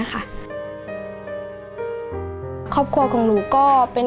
ครอบครัวของหนูก็เป็น